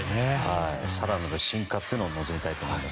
更なる進化を望みたいと思います。